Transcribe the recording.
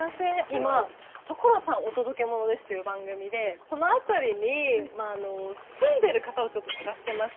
今『所さんお届けモノです！』という番組でこの辺りに住んでる方を探してまして。